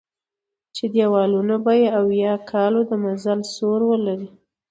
چې دېوالونه به یې اویا کالو د مزل سور ولري.